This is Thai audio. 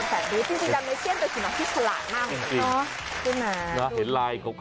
และก็จริงนักบริษัทดูดจริงดังนั้นเข้ามาที่หน้าที่ตลาดมาก